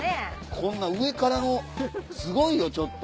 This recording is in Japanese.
こんなん上からのすごいよちょっと。